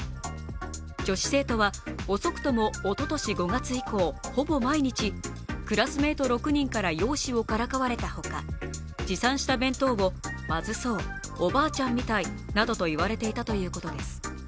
女子生徒は遅くとも、おととし５月以降、ほぼ毎日、クラスメート６人から容姿をからかわれた他、持参した弁当をまずそう、おばあちゃんみたいなどと言われていたということです。